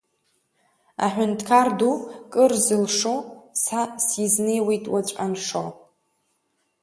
Аҳәынҭқар ду, кыр зылшо, са сизнеиуеит уаҵә аншо!